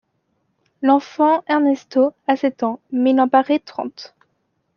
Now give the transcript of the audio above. L'enfant Ernesto a sept ans, mais il en parait trente.